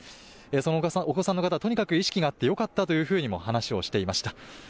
そのお子さんの方、とにかく意識があってよかったというふうにも話をしていました。